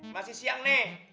masih siang nih